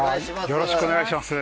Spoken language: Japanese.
よろしくお願いします。